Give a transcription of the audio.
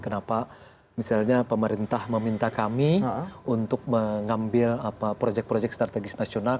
kenapa misalnya pemerintah meminta kami untuk mengambil proyek proyek strategis nasional